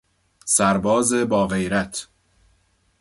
سرباز باغیرت